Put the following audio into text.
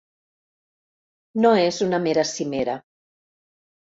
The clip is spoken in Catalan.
No és una mera cimera.